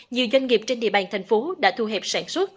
nhiều doanh nghiệp trên địa bàn tp hcm đã thu hẹp sản xuất